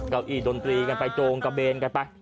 เก้าอี้ดนตรีกันไปโจงกระเบนกันไป